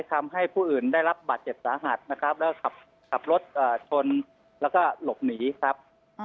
ทำให้ผู้อื่นได้รับบาดเจ็บสาหัสนะครับแล้วขับรถชนแล้วก็หลบหนีครับ